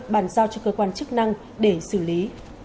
bàn giao cho cơ quan chức năng để xử lý